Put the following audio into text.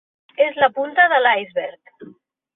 És la punta de l'iceberg.